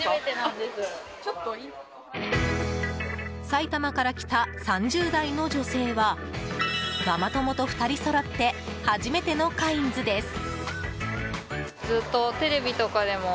埼玉から来た３０代の女性はママ友と２人そろって初めてのカインズです。